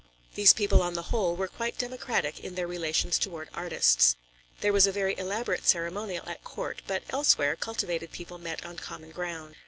These people on the whole were quite democratic in their relations toward artists. There was a very elaborate ceremonial at court, but elsewhere, cultivated people met on common ground.